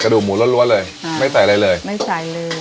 ดูหมูล้วนเลยไม่ใส่อะไรเลยไม่ใส่เลย